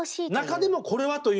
中でもこれはというものを。